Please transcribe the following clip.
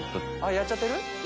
やっちゃってる？